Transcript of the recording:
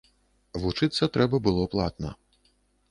Вучыцца трэба было платна.